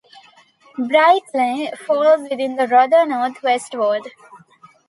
Brightling falls within the Rother North West ward.